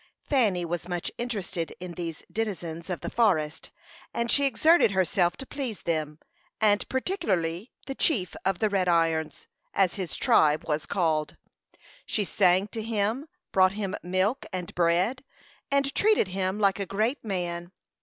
Fanny was much interested in these denizens of the forest, and she exerted herself to please them, and particularly the chief of the Red Irons, as his tribe was called. She sang to him, brought him milk and bread, and treated him like a great man.